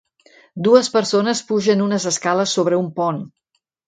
Dues persones pugen unes escales sobre un pont